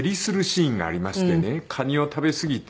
カニを食べすぎて。